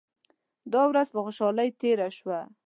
دا ورځ په خوشالۍ تیره شوه.